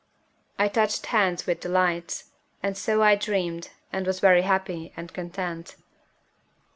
I touched hands with delights; and so I dreamed, and was very happy and content.